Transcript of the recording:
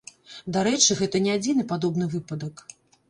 Дарэчы, гэта не адзіны падобны выпадак.